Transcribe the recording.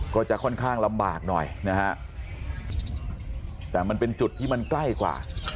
ก็จะค่อนข้างลำบากหน่อยนะฮะแต่มันเป็นจุดที่มันใกล้กว่า